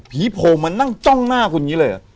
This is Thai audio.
ผีโพงมานั่งจ้องหน้าคุณแบบนี้เลย